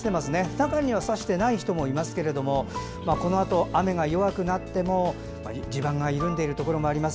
中にはさしていない人もいますがこのあと、雨が弱くなっても地盤が緩んでいるところもあります。